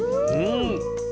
うん。